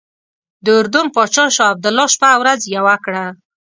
د اردن پاچا شاه عبدالله شپه او ورځ یوه کړه.